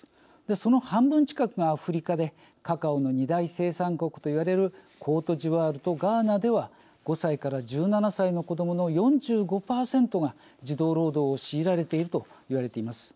その半分近くがアフリカでカカオの二大生産国といわれるコートジボワールとガーナでは５歳から１７歳の子どもの４５％が児童労働を強いられていると言われています。